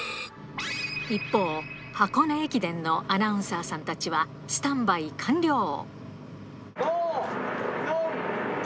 一方、箱根駅伝のアナウンサーさんたちは、スタンバイ完了。